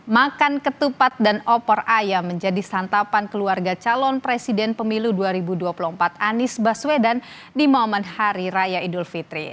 makan ketupat dan opor ayam menjadi santapan keluarga calon presiden pemilu dua ribu dua puluh empat anies baswedan di momen hari raya idul fitri